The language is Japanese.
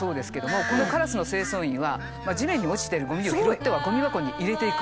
このカラスの清掃員は地面に落ちてるゴミを拾ってはゴミ箱に入れていく。